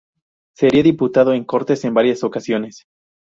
Sería diputado en Cortes en varias ocasiones.